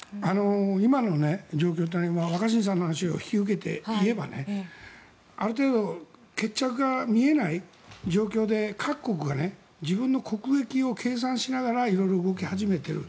今の状況というのは若新さんの話を引き受けて言えばある程度、決着が見えない状況で各国が自分の国益を計算しながら色々、動き始めている。